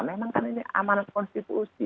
memang kan ini amanat konstitusi